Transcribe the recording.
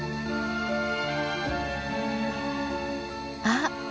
あっ！